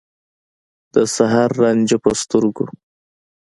د سحر رانجه په سترګو